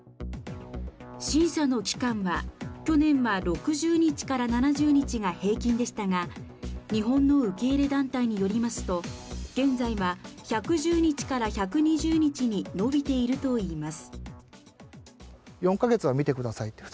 審査の期間は去年は６０日から７０日が平均でしたが、日本の受け入れ団体によりますと現在は１１０日から１２０日に延びているといいます。